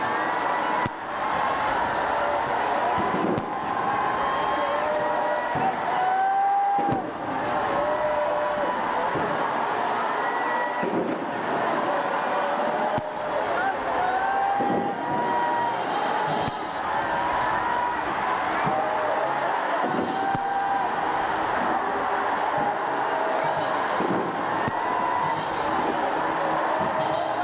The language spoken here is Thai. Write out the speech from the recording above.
สวัสดีครับ